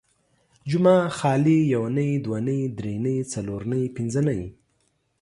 جمعه ، خالي ، يونۍ ،دونۍ ، دري نۍ، څلور نۍ، پنځه نۍ